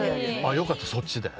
よかったそっちで。